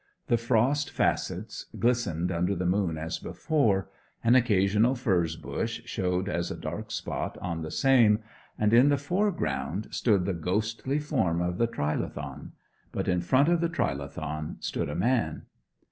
The frost facets glistened under the moon as before; an occasional furze bush showed as a dark spot on the same; and in the foreground stood the ghostly form of the trilithon. But in front of the trilithon stood a man.